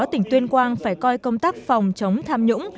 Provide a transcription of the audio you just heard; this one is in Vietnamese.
tỉnh tuyên quang phải coi công tác phòng chống tham nhũng